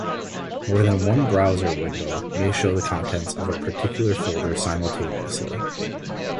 More than one browser window may show the contents of a particular folder simultaneously.